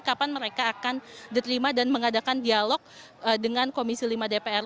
kapan mereka akan diterima dan mengadakan dialog dengan komisi lima dpr